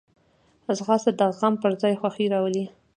ځغاسته د غم پر ځای خوښي راولي